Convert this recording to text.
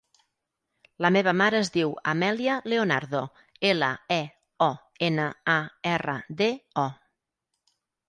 La meva mare es diu Amèlia Leonardo: ela, e, o, ena, a, erra, de, o.